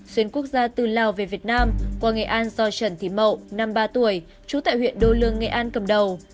xuyên quốc gia từ lào về việt nam qua nghệ an do trần thị mậu năm mươi ba tuổi trú tại huyện đô lương nghệ an cầm đầu